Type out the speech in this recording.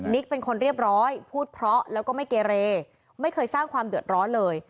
เป็นคนเรียบร้อยพูดเพราะแล้วก็ไม่เกเรไม่เคยสร้างความเดือดร้อนเลย